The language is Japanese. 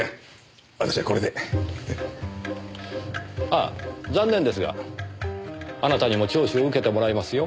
ああ残念ですがあなたにも聴取を受けてもらいますよ。